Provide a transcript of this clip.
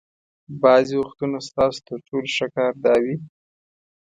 بعضې وختونه ستاسو تر ټولو ښه کار دا وي.